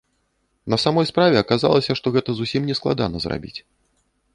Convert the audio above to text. На самой справе, аказалася, што гэта зусім не складана зрабіць.